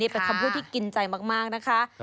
เป็นคำพูดที่กินใจมากนะคะ